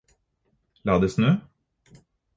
La det snø.